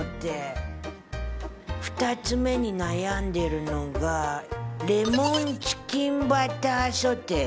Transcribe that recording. ２つ目に悩んでるのがレモンチキンバターソテー。